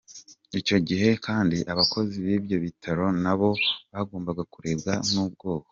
Icyo gihe kandi abakozi b’ibyo bitaro na bo bagombaga kurebwa ubwoko.